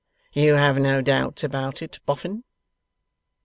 'You have no doubts about it, Boffin.